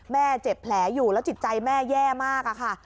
เจ็บแผลอยู่แล้วจิตใจแม่แย่มากอะค่ะ